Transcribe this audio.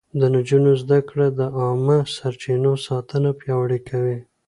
د نجونو زده کړه د عامه سرچينو ساتنه پياوړې کوي.